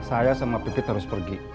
saya sama pipi terus pergi